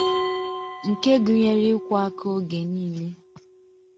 nke gụnyere: ịkwọ aka oge niile